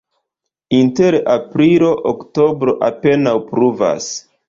Inter aprilo-oktobro apenaŭ pluvas.